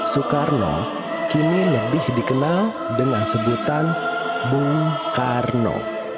soekarno kini lebih dikenal dengan sebutan bung karno